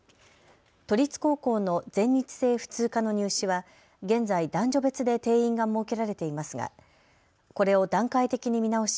都立高校の全日制普通科の入試は現在、男女別で定員が設けられていますがこれを段階的に見直し